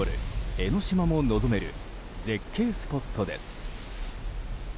江の島も望める絶景スポットです。